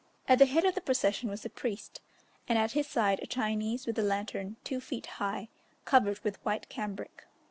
At the head of the procession was a priest, and at his side a Chinese with a lantern two feet high, covered with white cambric.